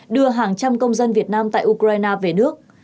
đưa hàng trăm công dân việt nam tại ukraine về nước